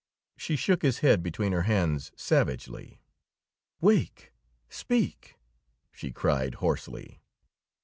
She shook his head between her hands savagely. "Wake! Speak!" she cried hoarsely.